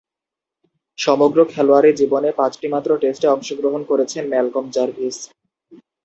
সমগ্র খেলোয়াড়ী জীবনে পাঁচটিমাত্র টেস্টে অংশগ্রহণ করেছেন ম্যালকম জার্ভিস।